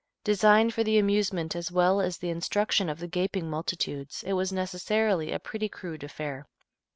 Designed for the amusement as well as the instruction of the gaping multitudes, it was necessarily a pretty crude affair.